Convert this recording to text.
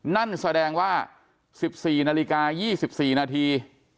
นั่นแสดงว่า๑๔นาฬิกา๒๔นาที